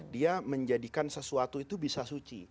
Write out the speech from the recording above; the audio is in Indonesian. dia menjadikan sesuatu itu bisa suci